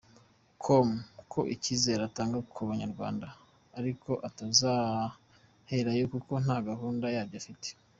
com ko icyizere atanga ku banyarwanda ari uko atazaherayo kuko nta gahunda yabyo afite.